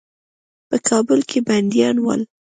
په کابل کې بندیان ول.